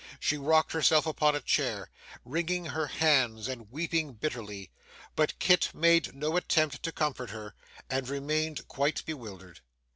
She rocked herself upon a chair, wringing her hands and weeping bitterly, but Kit made no attempt to comfort her and remained quite bewildered.